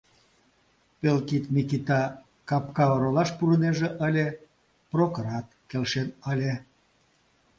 Пелкид Микита капка оролаш пурынеже ыле, Прокырат келшен ыле...